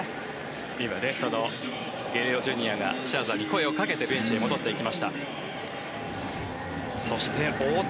今、ゲレーロＪｒ．がシャーザーに声をかけてベンチへ戻っていきました。